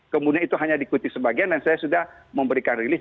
kemudian itu hanya diikuti sebagian dan saya sudah memberikan rilis